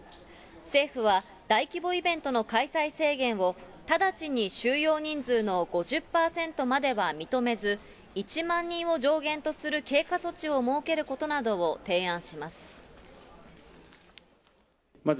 政府は大規模イベントの開催制限を直ちに収容人数の５０％までは認めず、１万人を上限とする経過措置などを設けることを提案します。